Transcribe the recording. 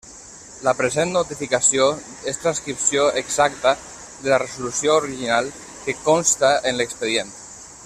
La present notificació és transcripció exacta de la resolució original que consta en l'expedient.